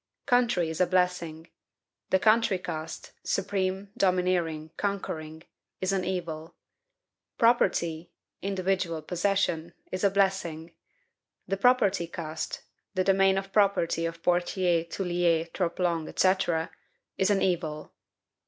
Country is a blessing; the country caste (supreme, domineering, conquering) is an evil; property (individual possession) is a blessing; the property caste (the domain of property of Pothier, Toullier, Troplong, &c.) is an evil."